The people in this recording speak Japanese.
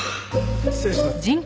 失礼します。